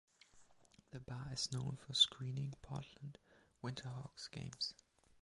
The bar is known for screening Portland Winterhawks games.